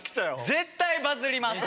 絶対バズります！